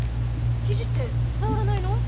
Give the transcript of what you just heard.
ヒジって治らないの？